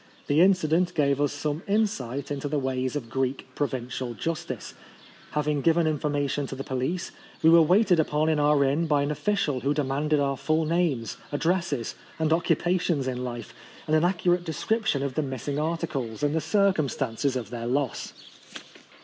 The incident gave us some insight into the ways of Greek provincial justice. Having given information to the police, we were waited upon in our inn by an official who demanded our full names, ad dresses, and occupations in life, and an accurate description of the miss ing articles and the circumstances of their loss.